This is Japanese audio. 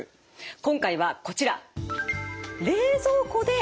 今回はこちら。